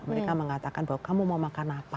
mereka mengatakan bahwa kamu mau makan apa